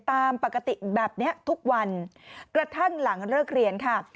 ตามปกติแบบนี้ทุกวันกระทั่งหลังเลิกเรียนค่ะ